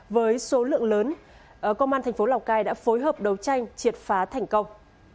với số lượng lớn công an thành phố lào cai đã phối hợp đấu tranh triệt phá thành công